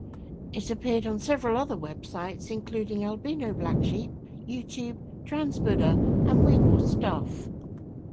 It appeared on several other websites including Albino Blacksheep, YouTube, Transbuddha, and Weebl's Stuff.